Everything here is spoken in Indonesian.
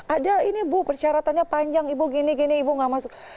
ada ini bu persyaratannya panjang ibu gini gini ibu nggak masuk